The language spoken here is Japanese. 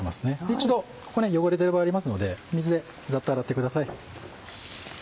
一度ここね汚れてる場合ありますので水でザッと洗ってください。